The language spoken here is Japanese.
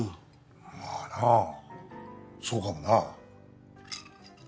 まぁなそうかもな。